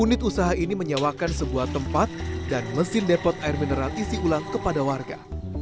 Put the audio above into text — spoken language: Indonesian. unit usaha ini menyewakan sebuah tempat dan mesin depot air mineral isi ulang kepada warga